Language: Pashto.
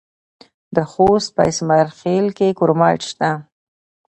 د خوست په اسماعیل خیل کې کرومایټ شته.